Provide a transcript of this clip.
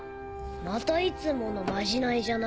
またいつものまじないじゃな。